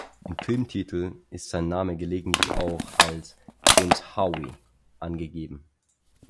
In Filmtiteln ist sein Name gelegentlich auch als „James Howe“ angegeben.